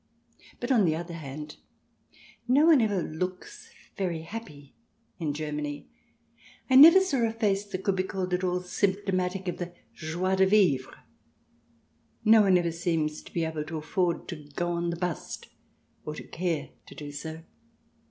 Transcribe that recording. But, on the other hand, no one ever looks very happy in Germany. I never saw a face that could be called at all symptomatic of the joie de vivre. No one ever seems able to afford to go " on the bust," or to care to do so.